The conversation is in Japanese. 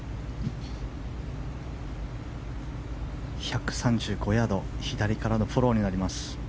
１３５ヤード左からのフォローになります。